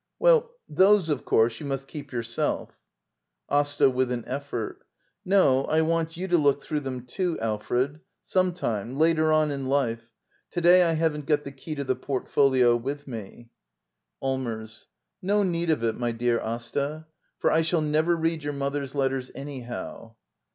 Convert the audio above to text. Well, those, of course, you must keep yourself. Asta. [With an effort.] No; I want you to look through them, too, Alfred. Some time — later on in life. — To day I haven't got the key to the portfolio with me. 20 d by Google i, Act I. ^ LITTLE EYOLF Allmers. No need of it, my dear Asta, for I shall never read your mother's letters anyhow.